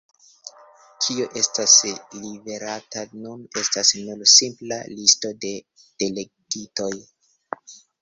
Kio estas liverata nun, estas nur simpla listo de delegitoj.